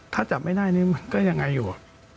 ถ้าจับไม่ได้นี่มันก็ยังไงอยู่